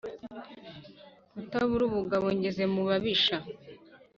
rutabura ubugabo ngeze mu babisha